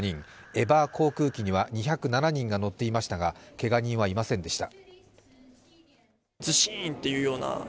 エバー航空機には２０７人が乗っていましたが、けが人はいませんでした。